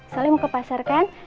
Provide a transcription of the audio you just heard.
soleh mau ke pasar kan